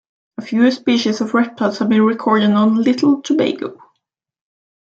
A few species of reptiles have been recorded on Little Tobago.